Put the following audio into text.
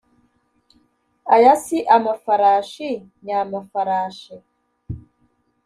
aya si amafarashi nyamafarashi